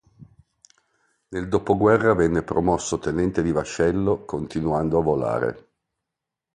Nel dopoguerra venne promosso tenente di vascello continuando a volare.